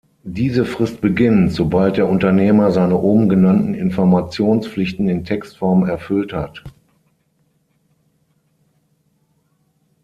Diese Frist beginnt, sobald der Unternehmer seine oben genannten Informationspflichten in Textform erfüllt hat.